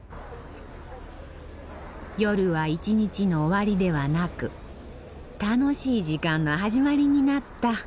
夜は一日の終わりではなく楽しい時間の始まりになった。